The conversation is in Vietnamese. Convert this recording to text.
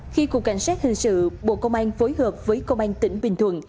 khi cục cảnh sát hình sự bộ công an phối hợp với công an tỉnh bình thuận